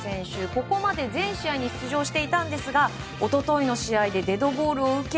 ここまで全試合に出場していたんですが一昨日の試合でデッドボールを受け